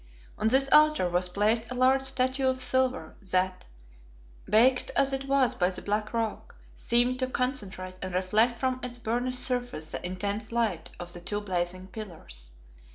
On this altar was placed a large statue of silver, that, backed as it was by the black rock, seemed to concentrate and reflect from its burnished surface the intense light of the two blazing pillars.